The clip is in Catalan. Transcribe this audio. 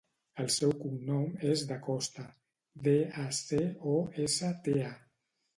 El seu cognom és Dacosta: de, a, ce, o, essa, te, a.